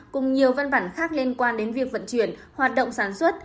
cùng nhiều văn bản khác liên quan đến việc vận chuyển hoạt động sản xuất